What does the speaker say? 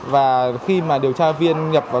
và khi mà điều tra viên nhập vào thông tin